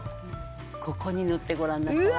ここに塗ってごらんなさい。